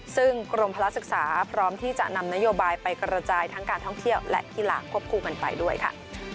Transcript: ซึ่งกรมพลักษึกษาพร้อมที่จะนำนโยบายไปกระจายทั้งการท่องเที่ยวและกีฬาควบคู่กันไปด้วยค่ะ